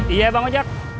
iya pak ngajak